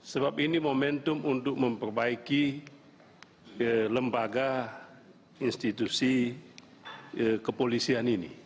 sebab ini momentum untuk memperbaiki lembaga institusi kepolisian ini